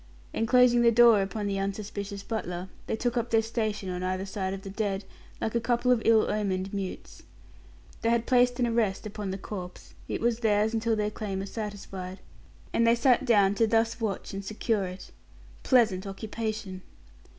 And closing the door upon the unsuspicious butler, they took up their station on either side of the dead, like a couple of ill omened mutes. They had placed an arrest upon the corpse; it was theirs until their claim was satisfied, and they sat down to thus watch and secure it. Pleasant occupation!